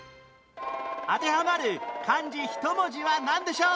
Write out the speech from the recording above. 当てはまる漢字１文字はなんでしょう？